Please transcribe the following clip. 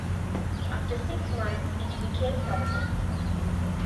After six months, it became public.